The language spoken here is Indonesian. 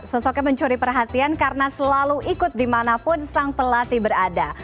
sosoknya mencuri perhatian karena selalu ikut dimanapun sang pelatih berada